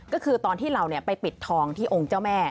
ก็คือตอนที่เราไปปิดทองที่องค์เจ้าแม่